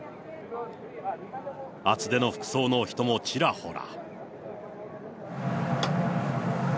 厚手の服装の人もちらほら。